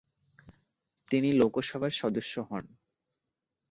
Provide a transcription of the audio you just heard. তিনি লোকসভার সদস্য হন।